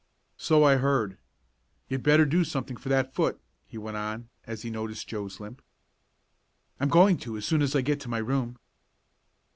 "So I heard. You'd better do something for that foot," he went on, as he noticed Joe's limp. "I'm going to as soon as I get to my room."